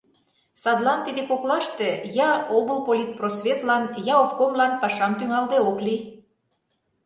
Садлан тиде коклаште я облполитпросветлан, я обкомлан пашам тӱҥалде ок лий.